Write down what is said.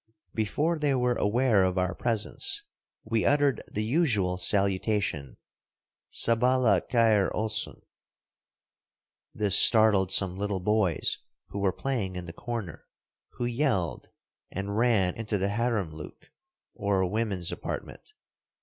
Before they were aware of our presence, we uttered the usual salutation "Sabala khayr olsun." This startled some little boys who were playing in the corner, who yelled, and ran into the haremluk, or women's apartment.